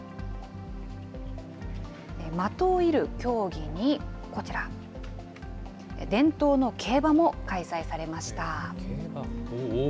的を射る競技に、こちら、伝統の競馬も開催されました。